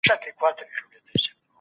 که چېرې تاسو تبه لرئ، نو استراحت وکړئ.